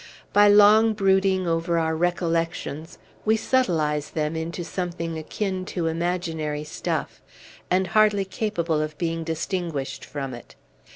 By long brooding over our recollections, we subtilize them into something akin to imaginary stuff, and hardly capable of being distinguished from it.